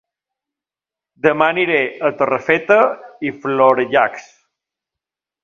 Dema aniré a Torrefeta i Florejacs